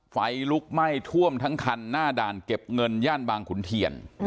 ไฟลุกไหม้ท่วมทั้งคันหน้าด่านเก็บเงินย่านบางขุนเทียน